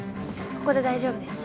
ここで大丈夫です。